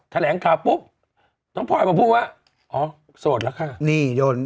แถลงคาบปุ๊บน้องพลอยบอกพูดว่าอ๋อโสดแล้วค่ะนี่โยน